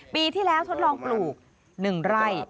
ปีที่แล้วทดลองปลูก๑ไร่